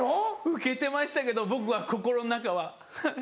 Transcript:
ウケてましたけど僕は心の中はフフっ。